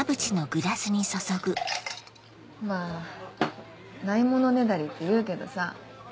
まぁないものねだりって言うけどさ。